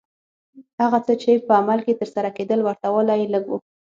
هغه څه چې په عمل کې ترسره کېدل ورته والی یې لږ و.